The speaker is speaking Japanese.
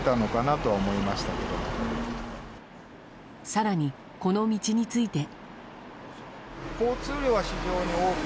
更に、この道について。